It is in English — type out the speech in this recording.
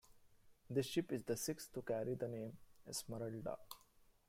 The ship is the sixth to carry the name "Esmeralda".